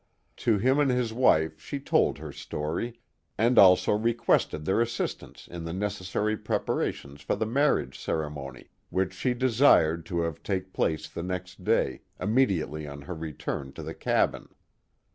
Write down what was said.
To him and his wife she told her story, and also requested their assistance in the necessary preparations for the marriage ceremony, which she desired to have take place the next day, immediately on her return to the cabin.